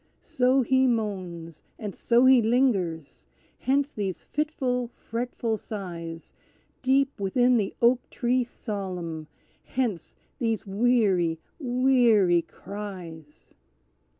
So he moans, and so he lingers! Hence these fitful, fretful sighs, Deep within the oak tree solemn! Hence these weary, weary cries!